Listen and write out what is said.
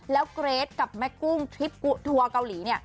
แล้วเกรทกับแม่กุ้งทริปทัวร์เกาหลีเนี่ย